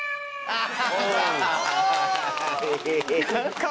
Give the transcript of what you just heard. あっ！